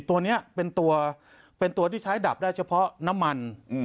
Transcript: ตัวนี้เป็นตัวเป็นตัวที่ใช้ดับได้เฉพาะน้ำมัน